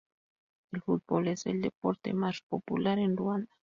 El fútbol es el deporte más popular en Ruanda.